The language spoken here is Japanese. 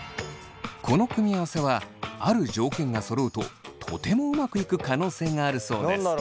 この組み合わせはある条件がそろうととてもうまくいく可能性があるそうです。